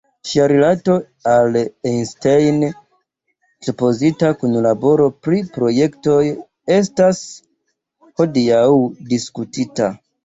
Ŝia rilato al Einstein, supozita kunlaboro pri projektoj estas hodiaŭ diskutita.